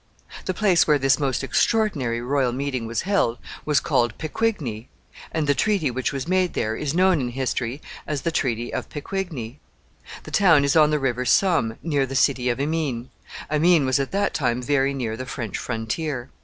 The place where this most extraordinary royal meeting was held was called Picquigny, and the treaty which was made there is known in history as the Treaty of Picquigny. The town is on the River Somme, near the city of Amiens. Amiens was at that time very near the French frontier.